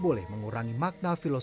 di keraton ini